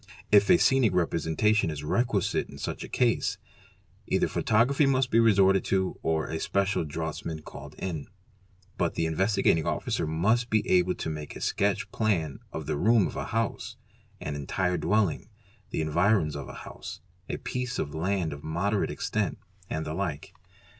If a scenic representation is requisite in such a case, either photography must be resorted to or a special draughtsman called in. But the Investigating Officer must be able to make a sketch plan of the room of a house, an entire dwelling, the environs of a house, a piece of land of moderate extent, and the like.